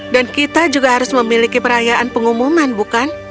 dan kita juga harus memiliki perayaan pengumuman bukan